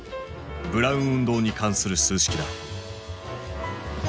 ブラウン運動に関する数式だ。